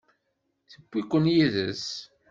Tewwi-ken yid-s?